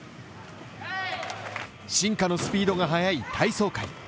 進化のスピードが速い体操界。